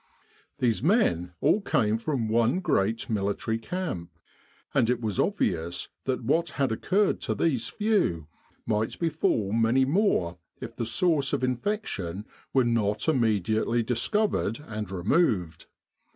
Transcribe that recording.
These men all came from one great military camp, and it was obvious that what had occurred to these few might befall many more if the source of infection were not immediately dis covered and removed.